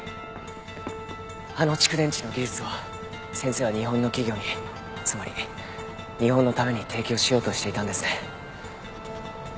あの蓄電池の技術を先生は日本の企業につまり日本のために提供しようとしていたんですね。